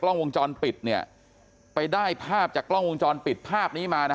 กล้องวงจรปิดเนี่ยไปได้ภาพจากกล้องวงจรปิดภาพนี้มานะ